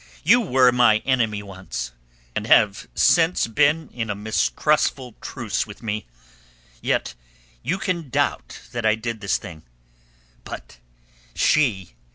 You were my enemy once, and have since been in a mistrustful truce with me, yet you can doubt that I did this thing. But she...